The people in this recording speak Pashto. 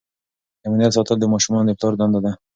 د امنیت ساتل د ماشومانو د پلار دنده ده.